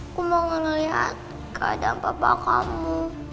aku mau ngeliat keadaan papa kamu